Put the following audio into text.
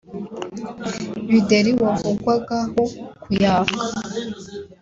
Bideri wavugwagaho kuyaka